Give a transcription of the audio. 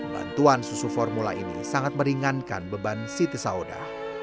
bantuan susu formula ini sangat meringankan beban si tesaudah